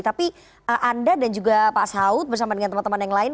tapi anda dan juga pak saud bersama dengan teman teman yang lain